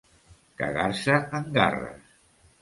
Cagar-se en garres.